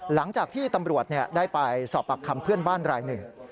หลังจากที่ตำรวจได้ไปสอบปากคำเพื่อนบ้านรายหนึ่ง